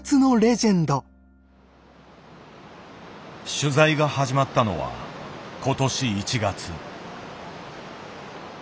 取材が始まったのは今年１月。